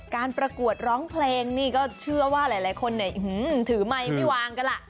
ประกวดร้องเพลงนี่ก็เชื่อว่าหลายคนถือไมค์ไม่วางกันล่ะ